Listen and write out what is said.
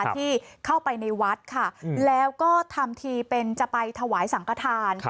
ที่เข้าไปในวัดแล้วก็จะไปถ่ายสังฆาญ